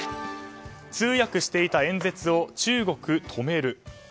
通訳していた演説を中国、止める。